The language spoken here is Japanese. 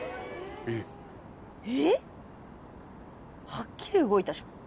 はっきり動いたじゃん。